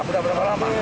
sudah berapa lama pak